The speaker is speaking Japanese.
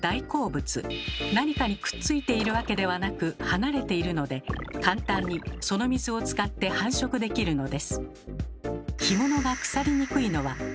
何かにくっついているわけではなく離れているので簡単にその水を使って繁殖できるのです。